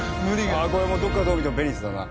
ああこれどっからどう見てもベニスだな。